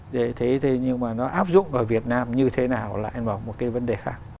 để thấy thế nhưng mà nó áp dụng ở việt nam như thế nào là một cái vấn đề khác